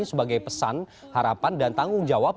sebagai pesan harapan dan tanggung jawab